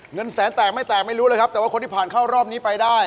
เงินแสนแตกไม่แตกไม่รู้เลยครับแต่ว่าคนที่ผ่านเข้ารอบนี้ไปได้